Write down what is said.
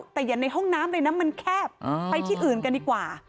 แต่อย่าในห้องน้ำเลยนะมันแคบไปที่อื่นกันดีกว่า